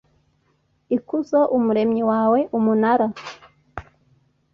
ikuzo Umuremyi wawe Umunara